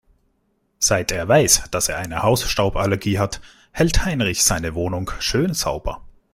Seit er weiß, dass er eine Hausstauballergie hat, hält Heinrich seine Wohnung schön sauber.